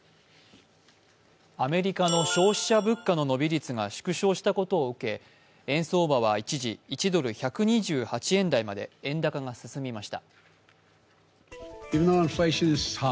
アメリカの消費者物価の伸び率が縮小したことを受け円相場は一時１ドル＝１２８円台まで円高が進みました。